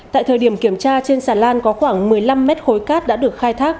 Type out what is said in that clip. tại thời điểm kiểm tra trên xà lan có khoảng một mươi năm mét khối cát đã được khai thác